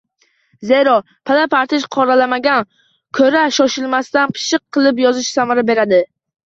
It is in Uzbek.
Zero, pala-partish qoralamadan ko‘ra shoshilmasdan, pishiq qilib yozish samara beradi.